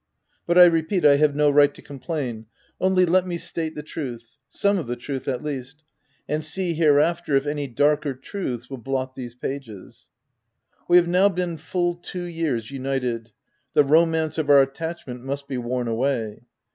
— But, I repeat, I have no right to complain : only let me state the truth — some of the truth at least, — and see hereafter, if any darker truths will blot these pages. We have now been full two years united — the ' romance 5 of our attachment must be worn away.